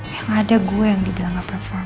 yang ada gue yang dibilang perform